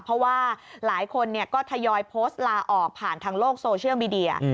เพราะว่าหลายคนก็ทยอยโพสต์ลาออกผ่านทางโลกโซเชียลมีเดีย